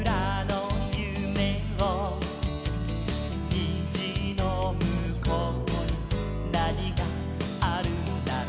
「にじのむこうになにがあるんだろう」